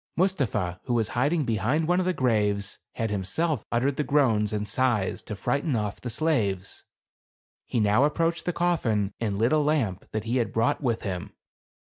Mustapha, who was hiding behind one of the graves, had himself uttered the groans and sighs to frighten off the slaves. He now ap proached the coffin and lit a lamp that he had brought with him.